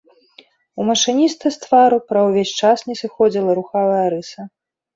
У машыніста з твару праз увесь час не сыходзіла рухавая рыса.